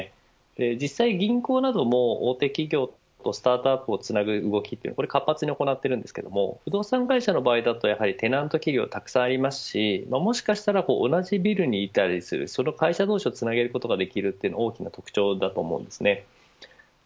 実際、銀行なども、大手企業とスタートアップをつなぐ動きは活発に行っているんですけども不動産会社の場合テナント企業たくさんありますしもしかしたら同じビルにいたりするその会社同士をつなげることができるというのが大きな特徴だと思います。